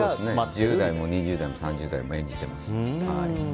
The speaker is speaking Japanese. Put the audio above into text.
１０代も２０代も３０代も演じています。